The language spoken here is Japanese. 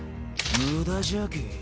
無駄じゃけぇ。